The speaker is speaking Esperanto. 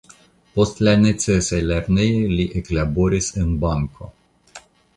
Post la necesaj lernejoj li eklaboris en banko.